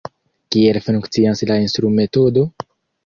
Kiel funkcias la instrumetodo?